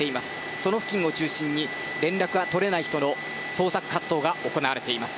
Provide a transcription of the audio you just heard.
その付近を中心に連絡が取れない人の捜索活動が行われています。